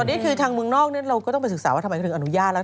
อันนี้คือทางเมืองนอกเราก็ต้องไปศึกษาว่าทำไมเขาถึงอนุญาตแล้ว